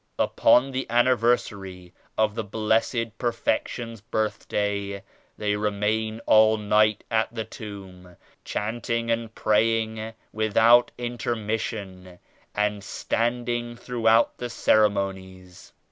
Upon the anniversary of the Blessed Perfection's birthday they remain all night at the Tomb, chanting and praying 66 without intermission and standing throughout the ceremonies.